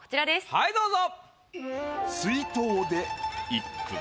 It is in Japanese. はいどうぞ。